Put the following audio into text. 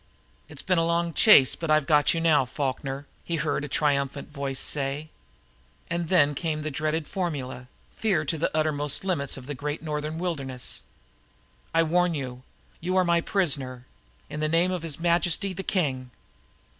"It's been a long chase, but I've got you now, Falkner," he heard a triumphant voice say. And then came the dreaded formula, feared to the uttermost limits of the great Northern wilderness: "I warn you! You are my prisoner, in the name of His Majesty, the King!"